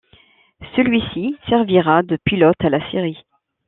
Celui-ci servira de pilote à la série.